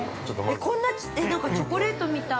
◆こんな、えっ、なんかチョコレートみたい。